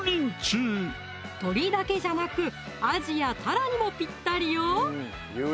鶏だけじゃなくアジやタラにもぴったりよ